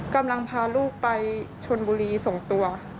กำลังพาลูกไปชนบุรีส่งตัว